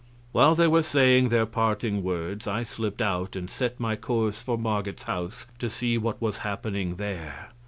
While they were saying their parting words I slipped out and set my course for Marget's house to see what was happening there.